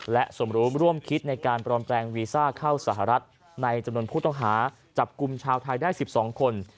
และสมรู้ร่วมคิดในการปลอมแปลงวีซ่าเข้าสหรัฐในจำนวนผู้ต้องหาจับกลุ่มชาวไทยได้๑๒คน